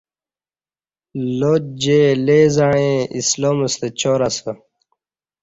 لات جی لیزعیں اسلام ستہ چار اسہ